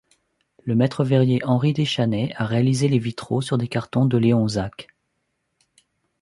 Le maitre-verrier Henri Déchanet a réalisé les vitraux sur des cartons de Léon Zack.